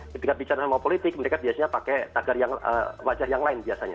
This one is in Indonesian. ketika bicara sama politik mereka biasanya pakai wajah yang lain biasanya